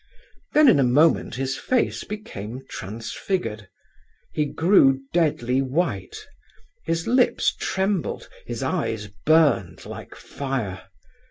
Then in a moment his face became transfigured; he grew deadly white, his lips trembled, his eyes burned like fire.